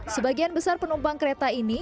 sebagian besar penumpang kereta ini